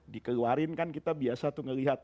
dikeluarin kan kita biasa tuh ngeliat